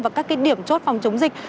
và các cái điểm chốt phòng chống dịch